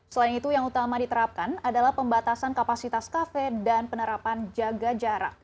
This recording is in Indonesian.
selain itu yang utama diterapkan adalah pembatasan kapasitas kafe dan penerapan jaga jarak